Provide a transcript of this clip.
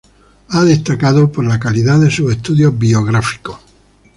Ha destacado por la calidad de sus estudios biográficos.